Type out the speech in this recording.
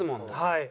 はい。